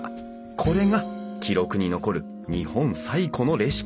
これが記録に残る日本最古のレシピとされる。